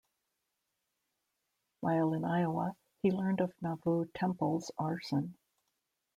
While in Iowa, he learned of Nauvoo Temple's arson.